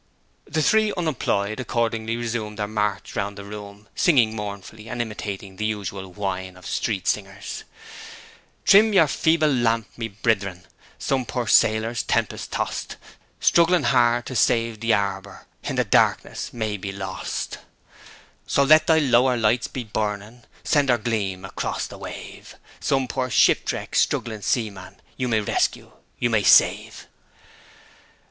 The three unemployed accordingly resumed their march round the room, singing mournfully and imitating the usual whine of street singers: 'Trim your fee bil lamp me brither in, Some poor sail er tempest torst, Strugglin' 'ard to save the 'arb er, Hin the dark niss may be lorst, So let try lower lights be burning, Send 'er gleam acrost the wave, Some poor shipwrecked, struggling seaman, You may rescue, you may save.'